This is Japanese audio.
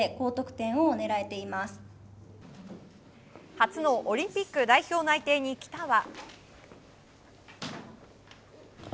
初のオリンピック代表内定に喜田は。